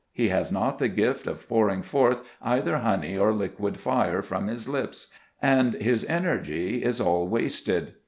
He has not the gift of pouring forth either honey or liquid fire from his lips, and his energy is all wasted.